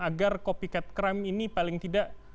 agar copycat crime ini paling tidak